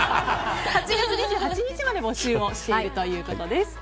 ８月２８日まで募集しているということです。